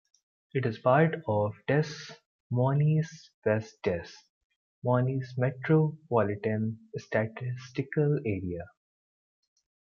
It is part of the Des Moines-West Des Moines Metropolitan Statistical Area.